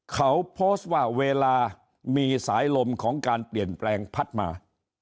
เขาโพสต์ว่าเวลามีสายลมของการเปลี่ยนแปลงพัดมา